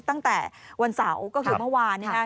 ตั้งแต่วันเสาร์ก็คือเมื่อวาน